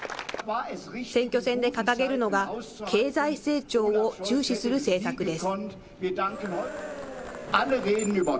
選挙戦で掲げるのが、経済成長を重視する政策です。